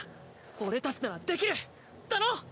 俺たちならできる！だろ？